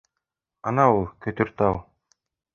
Ана ул, Көтөртау!